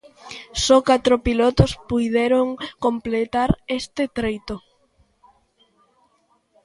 Só catro pilotos puideron completar este treito.